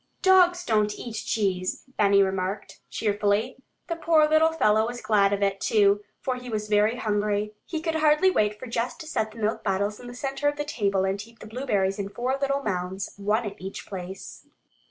"Dogs don't eat cheese," Benny remarked cheerfully. The poor little fellow was glad of it, too, for he was very hungry. He could hardly wait for Jess to set the milk bottles in the center of the table and heap the blueberries in four little mounds, one at each place.